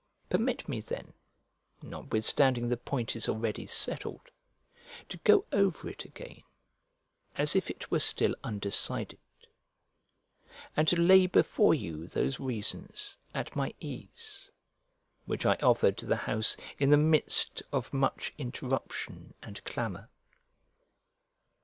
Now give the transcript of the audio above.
Permit me, then, notwithstanding the point is already settled, to go over it again as if it were still undecided, and to lay before you those reasons at my ease, which I offered to the house in the midst of much interruption and clamour.